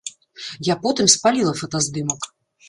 Я потым спаліла фотаздымак.